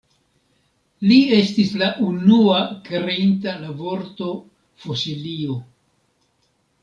Li estis la unua kreinta la vorto Fosilio.